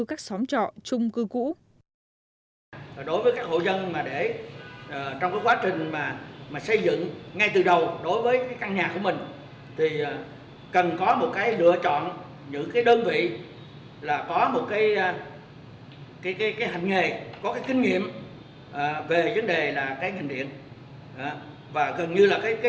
các xóm trọ chung cư cũ